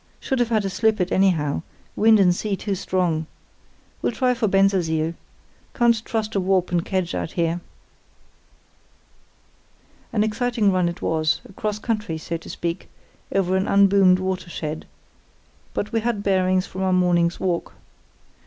Should have had to slip it anyhow; wind and sea too strong. We'll try for Bensersiel. Can't trust to a warp and kedge out here.' "An exciting run it was, across country, so to speak, over an unboomed watershed; but we had bearings from our morning's walk.